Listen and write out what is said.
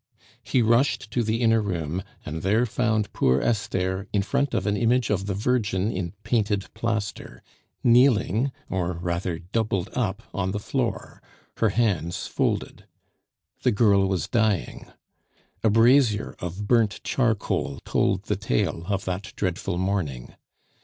He rushed to the inner room, and there found poor Esther in front of an image of the Virgin in painted plaster, kneeling, or rather doubled up, on the floor, her hands folded. The girl was dying. A brazier of burnt charcoal told the tale of that dreadful morning.